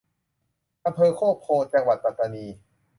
อำเภอโคกโพธิ์ จังหวัดปัตตานี